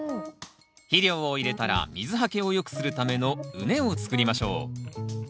肥料を入れたら水はけを良くするための畝を作りましょう。